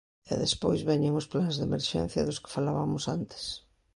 E, despois, veñen os plans de emerxencia dos que falabamos antes.